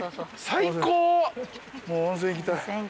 最高。